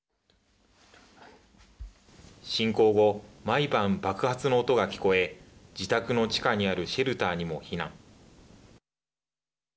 侵攻後、毎晩爆発の音が聞こえ自宅の地下にあるシェルターにも避難。